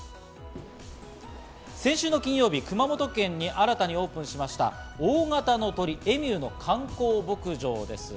先週の金曜日、熊本県に新たにオープンしました大型の鳥・エミューの観光牧場です。